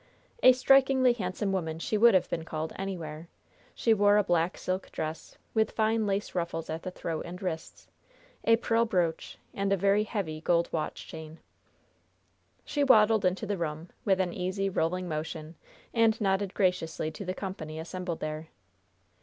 A strikingly handsome woman she would have been called anywhere. She wore a black silk dress, with fine lace ruffles at the throat and wrists; a pearl brooch and a very heavy gold watch chain. She waddled into the room, with an easy, rolling motion, and nodded graciously to the company assembled there.